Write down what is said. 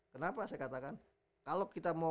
kenapa saya katakan kalau kita mau